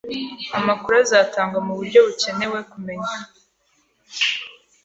Amakuru azatangwa muburyo bukenewe-kumenya.